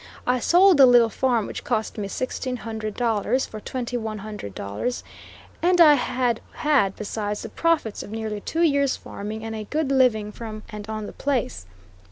I sold the little farm, which cost me sixteen hundred dollars, for twenty one hundred dollars, and I had had, besides, the profits of nearly two years' farming and a good living from and on the place.